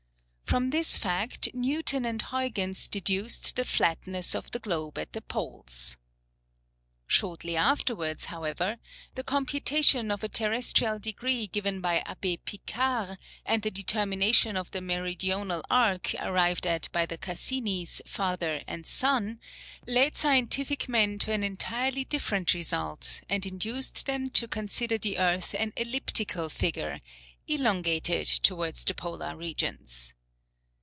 From this fact, Newton and Huyghens deduced the flatness of the Globe at the Poles. Shortly afterwards, however, the computation of a terrestrial degree given by Abbé Picard, and the determination of the Meridional arc, arrived at by the Cassinis, father and son, led scientific men to an entirety different result, and induced them to consider the earth an elliptical figure, elongated towards the polar regions.